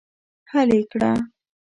حل یې کړه.